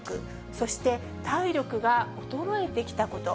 そして体力が衰えてきたこと。